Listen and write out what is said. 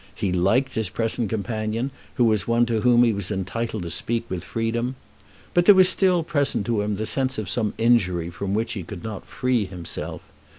He liked his present companion, who was one to whom he was entitled to speak with freedom. But there was still present to him the sense of some injury from which he could not free himself.